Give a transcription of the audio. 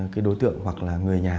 cái đối tượng hoặc là người nhà